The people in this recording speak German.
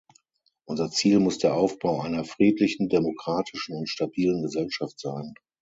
Unser Ziel muss der Aufbau einer friedlichen, demokratischen und stabilen Gesellschaft sein.